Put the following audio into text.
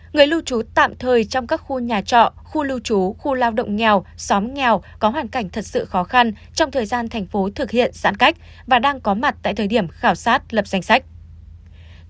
người lưu trú tạm thời trong các khu nhà trọ khu lưu trú khu lao động nghèo xóm nghèo có hoàn cảnh thật sự khó khăn trong thời gian thành phố thực hiện giãn cách và đang có mặt tại thời điểm khảo sát lập danh sách